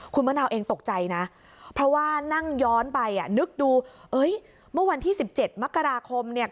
คุณมะนาวเองตกใจนะเพราะว่านั่งย้อนไปอ่ะนึกดูเอ้ยเมื่อวันที่๑๗มกราคมเนี่ย